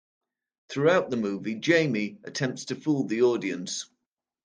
Throughout the movie, Jamie attempts to fool the audience.